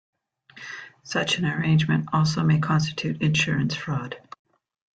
Such an arrangement also may constitute insurance fraud.